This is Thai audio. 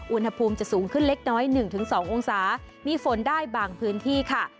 อุณหภูมิจะสูงขึ้นเล็กน้อย๑๒องศามีฝนได้บางพื้นที่ค่ะ